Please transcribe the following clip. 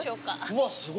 うわすごい。